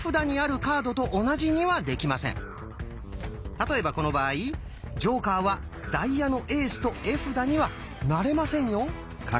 例えばこの場合「ジョーカー」は「ダイヤのエース」と絵札にはなれませんよ。